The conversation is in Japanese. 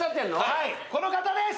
はいこの方です！